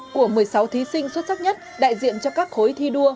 của một mươi sáu thí sinh xuất sắc nhất đại diện cho các khối thi đua